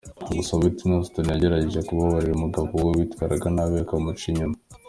Gusa Whitney Houston yagerageje kubabarira umugabo we witwaraga nabi akanamuca inyuma.